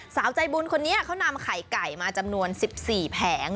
สาวใจบุญคนนี้เขานำไข่ไก่มาจำนวน๑๔แผง